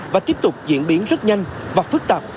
và tiếp tục diễn biến rất nhanh và phức tạp